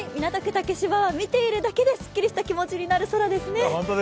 竹芝は見ているだけですっきりした気持ちになる空ですね。